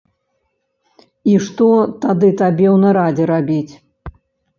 І што тады табе ў нарадзе рабіць?